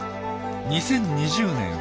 ２０２０年